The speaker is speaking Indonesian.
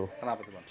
kenapa sih bang